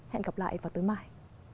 hẹn gặp lại vào tối mai